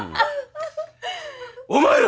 お前ら。